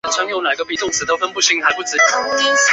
在招待中可用一张鸟的列表。